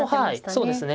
そうですね。